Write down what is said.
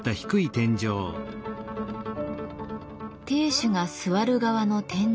亭主が座る側の天井は低く。